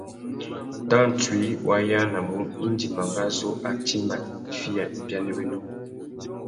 Tantsuï wa yānamú indi mangazú a timba itifiya ibianéwénô?